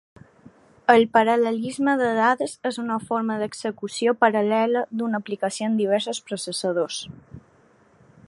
El paral·lelisme de dades és una forma d’execució paral·lela d’una aplicació en diversos processadors.